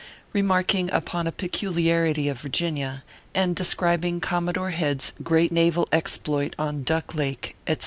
REMARKING UPON A PECULIARITY OP VIRGINIA, AND DESCRIBING COMMODORE HEAD S GREAT NAVAL EXPLOIT ON DUCK LAKE, ETC.